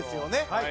はい。